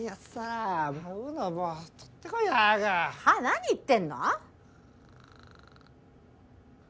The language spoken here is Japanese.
なに言ってんの？